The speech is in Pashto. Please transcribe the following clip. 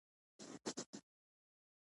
د چارو اداره څه مسوولیت لري؟